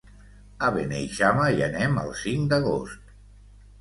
A Beneixama hi anem el cinc d'agost.